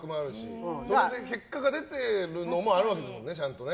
それで結果が出てるのもあるわけですもんね。